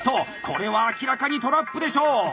これは明らかにトラップでしょう。